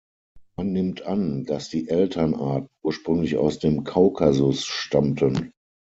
Man nimmt an, dass die Elternarten ursprünglich aus dem Kaukasus stammten.